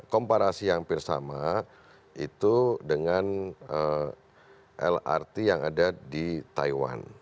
komparasi hampir sama itu dengan lrt yang ada di taiwan